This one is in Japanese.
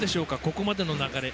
ここまでの流れ。